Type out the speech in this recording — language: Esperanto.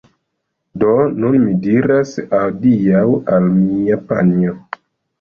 Do nun mi diras adiaŭ al mia panjo